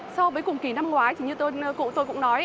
so với cùng kỳ năm ngoái thì như cụ tôi cũng nói